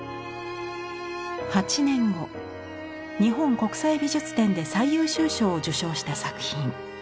８年後日本国際美術展で最優秀賞を受賞した作品。